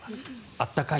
暖かい。